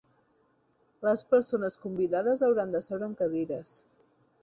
Les persones convidades hauran de seure en cadires.